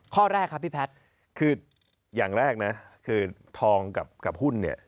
ข้อแรกครับพี่แพทย์คืออย่างแรกนะคือทองกับหุ้นเนี่ย